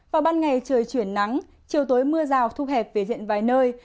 vào ban ngày trời chuyển nắng chiều tối mưa rào thu hẹp về diện vài nơi